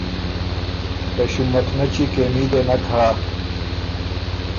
ته ݭُمتنچی کېمي دې نک هۀ۔